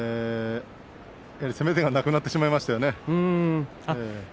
やはり攻め手がなくなってしまいましたね。